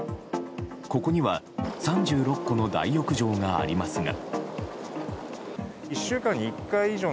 ここには３６個の大浴場がありますが。